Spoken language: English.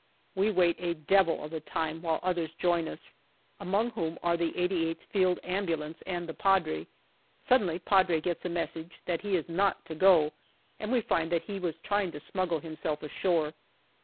We wait a devil of a time while others join us, among whom are the 88th Field Ambulance and the Padre. Suddenly Padre gets a message that he is not to go, and we find that he was trying to smuggle himself ashore.